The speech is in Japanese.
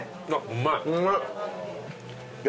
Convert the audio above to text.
うまい。